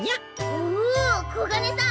おこがねさん